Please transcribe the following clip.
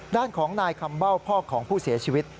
ด้านของนายคำเบ้าพ่อของผู้เสียชีวิต